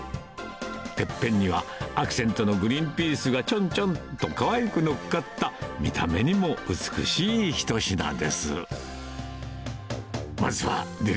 てっぺんにはアクセントのグリンピースがちょんちょんとかわいくのっかった、見た目にも美しい一品です。